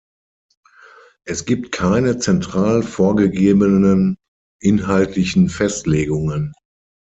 Es gibt keine zentral vorgegebenen inhaltlichen Festlegungen.